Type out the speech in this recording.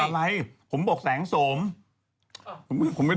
ก็คือเห้ยผมบอกแสงโสม